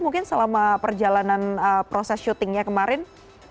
mungkin selama perjalanan proses syutingnya kemarin